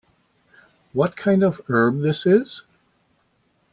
What kind of herb this is?